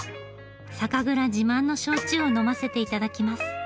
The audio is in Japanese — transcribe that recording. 酒蔵自慢の焼酎を呑ませて頂きます。